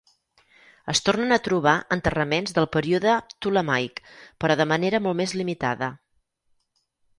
Es tornen a trobar enterraments del període ptolemaic, però de manera molt més limitada.